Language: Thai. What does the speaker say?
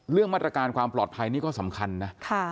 เรื่องมาตรการความปลอดภัยนี่ก็สำคัญนะ